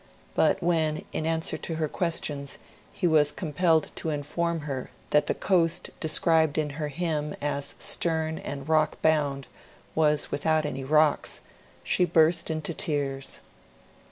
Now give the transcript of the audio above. But when, in answer to her questions, he was compelled to inform her that the coast de scribed in her hymn as '^ stem and rock boimd " was without any rocks, she burst into tears.